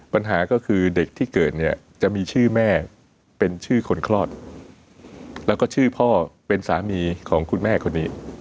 ปัญหาก็คือเด็กที่เกิดเนี่ยจะมีชื่อแม่เป็นชื่อคนคลอดแล้วก็ชื่อพ่อเป็นสามีของคุณแม่คนนี้